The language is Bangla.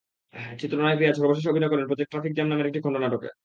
চিত্রনায়ক রিয়াজ সর্বশেষ অভিনয় করেন প্রোজেক্ট ট্রাফিক জ্যাম নামের একটি খণ্ড নাটকে।